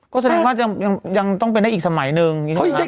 ก็อาจจะอย่างต้องเป็นอีกสมัยหนึ่ง